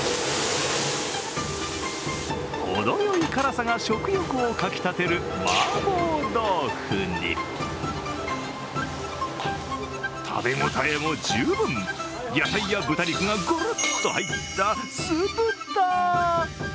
ほどよい辛さが食欲をかき立てるマーボー豆腐に食べ応えも十分、野菜や豚肉がごろっと入った酢豚。